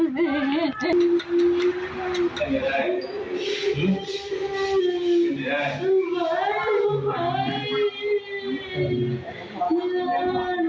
นี่นี่นี่ครับหลุมพ่ออยู่ไหม